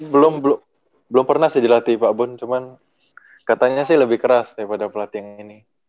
belum belum pernah sih dilatih pak bon cuman katanya sih lebih keras daripada pelatih yang ini